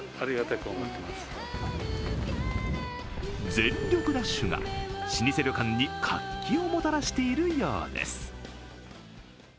全力ダッシュが老舗旅館に活気をもたらしているようです。